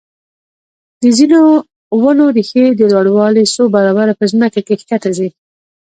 د ځینو ونو ریښې د لوړوالي څو برابره په ځمکه کې ښکته ځي.